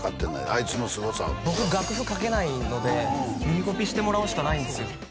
あいつのすごさを僕楽譜書けないので耳コピしてもらうしかないんですよ